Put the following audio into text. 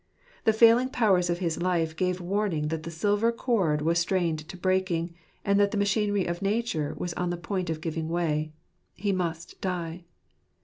The failing powers of his life gave warning that the silver cord was strained to breaking, and that the machinery of nature was on the point of giving way. He must die.